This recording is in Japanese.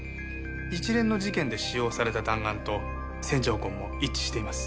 一連の事件で使用された弾丸と線条痕も一致しています。